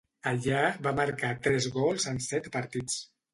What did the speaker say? Allà va marcar tres gols en set partits.